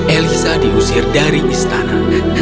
elisa diusir dari istana